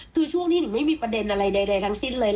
คือช่วงนี้หนิงไม่มีประเด็นอะไรใดทั้งสิ้นเลย